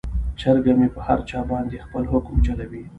چرګه مې په هر چا باندې خپل حکم چلوي.